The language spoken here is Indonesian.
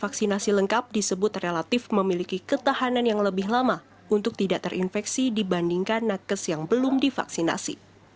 vaksinasi lengkap disebut relatif memiliki ketahanan yang lebih lama untuk tidak terinfeksi dibandingkan nakes yang belum divaksinasi